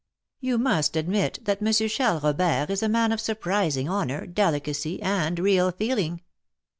You must admit that M. Charles Robert is a man of surprising honour, delicacy, and real feeling.